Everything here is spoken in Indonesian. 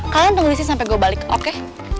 kalian tunggu disini sampe gue balik oke